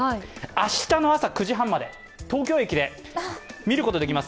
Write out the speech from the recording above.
明日の朝９時半まで東京駅で見ることができます。